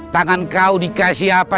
tangan kau dikasih apa